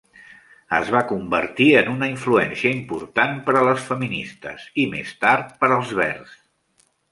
Es va convertir en una influència important per a les feministes, i més tard per als Verds.